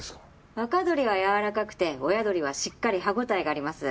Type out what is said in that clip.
若どりはやわらかくて親どりはしっかり歯応えがあります。